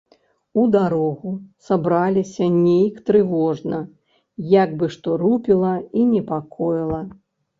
У дарогу сабраліся нейк трывожна, як бы што рупіла і непакоіла.